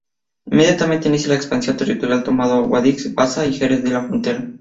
Inmediatamente inicia la expansión territorial tomando Guadix, Baza y Jerez de la Frontera.